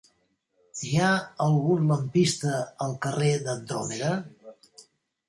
Hi ha algun lampista al carrer d'Andròmeda?